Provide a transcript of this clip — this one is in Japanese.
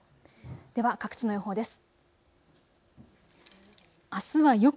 では各地の予報です。